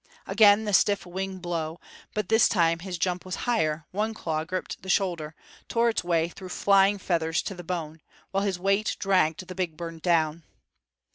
Again the stiff wing blow; but this time his jump was higher; one claw gripped the shoulder, tore its way through flying feathers to the bone, while his weight dragged the big bird down.